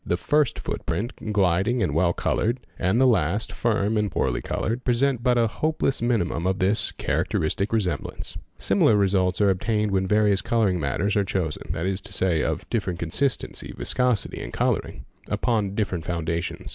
The first footprint, gliding and well coloured, ind the last, firm and poorly coloured, present but a hopeless minimum yf this " characteristic resemblance." _ Similar results are obtained when various colouring matters are chosen that is to say of different consistency, viscosity, and colouring) upon lifferent foundations.